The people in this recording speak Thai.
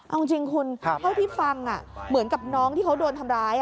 เอาจริงคุณเท่าที่ฟังเหมือนกับน้องที่เขาโดนทำร้าย